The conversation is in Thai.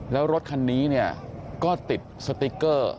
แล้วรถคันนี้เนี่ยก็ติดสติ๊กเกอร์